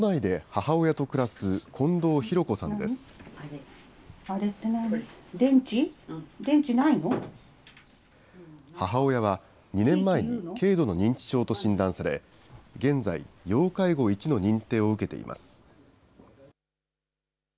母親は２年前に、軽度の認知症と診断され、現在、要介護１の認定を受けています。